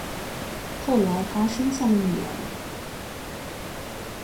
后来他生下了女儿